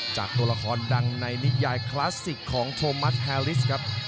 ตัวละครดังในนิยายคลาสสิกของโทมัสแฮริสครับ